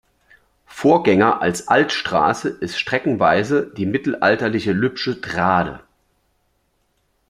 Vorgänger als Altstraße ist streckenweise die mittelalterliche Lübsche Trade.